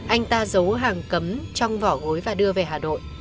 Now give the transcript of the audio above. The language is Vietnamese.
anh ta giấu hàng cấm trong vỏ gối và đưa về hà nội